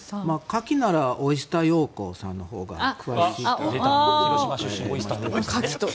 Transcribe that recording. カキならオイスター・ヨウコさんのほうが詳しいかと。